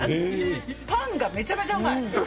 パンがめちゃめちゃうまい。